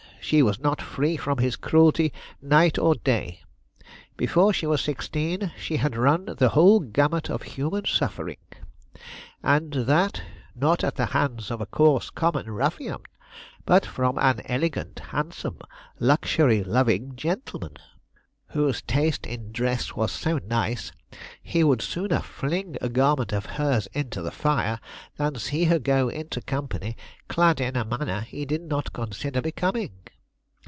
She was not free from his cruelty night or day. Before she was sixteen, she had run the whole gamut of human suffering; and that, not at the hands of a coarse, common ruffian, but from an elegant, handsome, luxury loving gentleman, whose taste in dress was so nice he would sooner fling a garment of hers into the fire than see her go into company clad in a manner he did not consider becoming.